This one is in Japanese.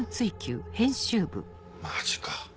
マジか。